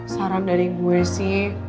saran dari gue sih